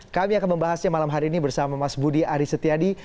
kami akan membahasnya malam hari ini bersama mas budi aris setiadi